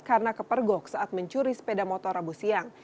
karena kepergok saat mencuri sepeda motor rabu siang